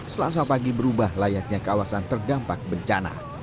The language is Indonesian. selasa pagi berubah layaknya kawasan terdampak bencana